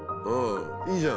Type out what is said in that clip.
いいじゃん！